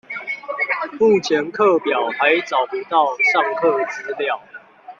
目前課表還找不到上課資料